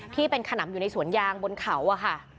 ที่เป็นขนำอยู่ในสวนยางบนเขาอะค่ะ